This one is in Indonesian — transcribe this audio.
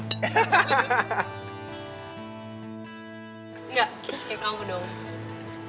kayak kamu dong